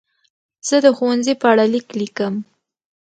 زه د ښوونځي په اړه لیک لیکم.